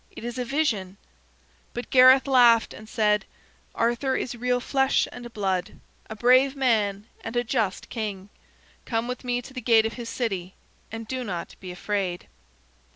It is a vision." But Gareth laughed and said: "Arthur is real flesh and blood, a brave man, and a just king. Come with me to the gate of his city, and do not be afraid."